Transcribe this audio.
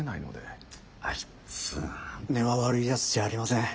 あいつは根は悪いやつじゃありません。